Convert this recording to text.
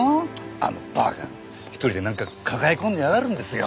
あのバカ１人でなんか抱え込んでやがるんですよ。